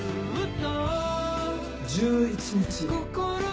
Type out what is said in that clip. １１日。